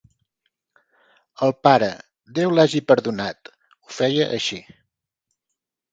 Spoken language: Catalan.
El pare, Déu l'hagi perdonat!, ho feia així.